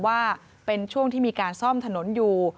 ว่าเป็นช่วงที่มีการซ่อมถนนอยู่